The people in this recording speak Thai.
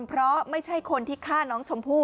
เพราะไม่ใช่คนที่ฆ่าน้องชมพู่